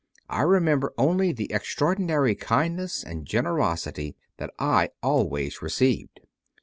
I remember only the extraordinary kindness and generosity that I always received.